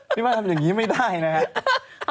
พี่ว่าทำอย่างนี้ไม่ได้นะครับ